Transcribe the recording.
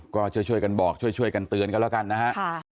ก็ช่วยกันบอกช่วยกันเตือนกันแล้วกันนะฮะ